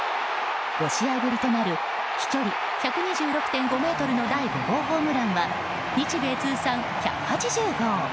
５試合ぶりとなる飛距離１２６．５ｍの第５号ホームランは日米通算１８０号。